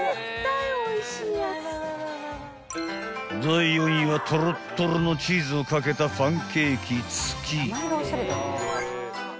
［第４位はとろっとろのチーズを掛けたパンケーキ月］